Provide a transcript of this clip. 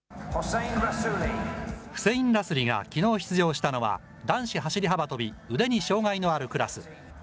フセイン・ラスリがきのう出場したのは、男子走り幅跳び、腕に障害があるクラス。